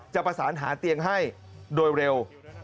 จะประสานหาเตียงให้โดยเร็ว